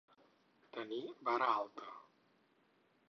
Tenir vara alta.